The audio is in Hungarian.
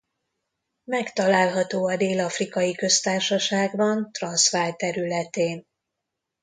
Megtalálható a Dél-afrikai Köztársaságban Transvaal területén.